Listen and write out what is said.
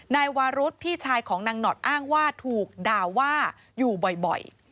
นายวารุธพี่ชายของนางหนอดอ้างว่าถูกด่าว่าอยู่บ่อย